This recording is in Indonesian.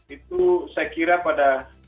itu saya kira pada